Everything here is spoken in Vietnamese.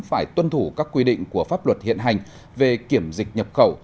phải tuân thủ các quy định của pháp luật hiện hành về kiểm dịch nhập khẩu